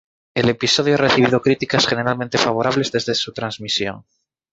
El episodio ha recibido críticas generalmente favorables desde su transmisión.